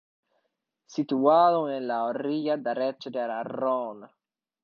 Situado en la orilla derecha de Rhône.